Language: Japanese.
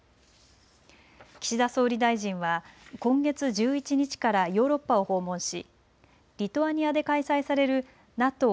岸田総理大臣は今月１１日からヨーロッパを訪問しリトアニアで開催されるＮＡＴＯ・